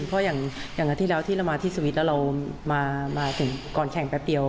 เพราะอย่างเมื่อที่เรามาที่สวีทแล้วเรามาก่อนแข่งแป๊บเดียว